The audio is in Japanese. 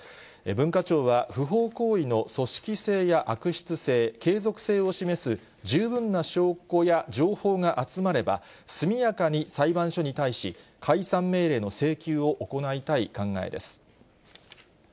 文化庁は、不法行為の組織性や悪質性、継続性を示す十分な証拠や情報が集まれば、速やかに裁判所に対し、解散命令の請求を行いたい考えです。